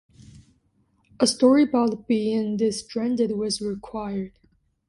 A story about being stranded was required.